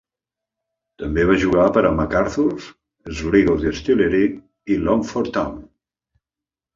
També va jugar per a McArthurs, Sligo Distillery i Longford Town.